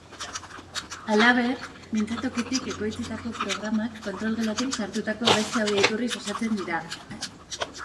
Halaber, mintzatokitik ekoitzitako programak kontrol-gelatik sartutako beste audio iturriz osatzen dira.